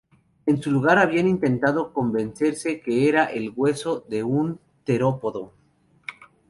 En su lugar habían intentado convencerse que era el hueso de un terópodo.